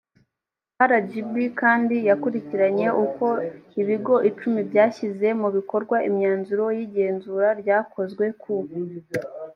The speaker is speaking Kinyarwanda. rgb kandi yakurikiranye uko ibigo icumi byashyize mu bikorwa imyanzuro y igenzura ryakozwe ku